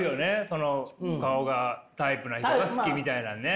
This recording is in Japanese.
その顔がタイプな人が好きみたいなんね。